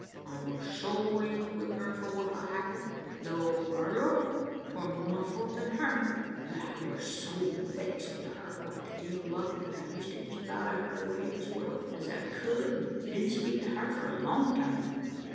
I war so angry wi' her, for what had happened though arter all, 'twar more my fault than hern but I war so vexed wi' her about the ill luck, that I used to keep out o' her way as well as I could, an' didn't speak to her for a long time.